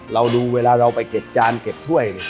เราดูเวลาเราไปเก็บจานเก็บถ้วย